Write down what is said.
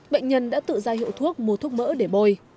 bệnh nhân đã tự ra hiệu thuốc mua thuốc mỡ để bôi